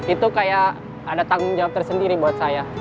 itu kayak ada tanggung jawab tersendiri buat saya